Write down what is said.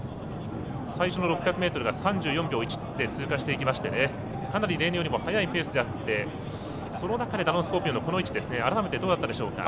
最初の６００ｍが３４秒１で通過していきましてかなり例年よりも速いペースでその中でダノンスコーピオンの位置改めてどうだったでしょうか？